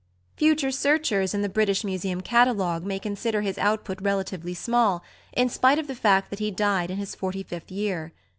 Future searchers in the British Museum Catalogue may consider his output relatively small, in spite of the fact that he died in his forty fifth year.